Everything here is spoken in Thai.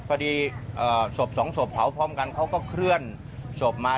พอดีศพสองศพเผาพร้อมกันเขาก็เคลื่อนศพมา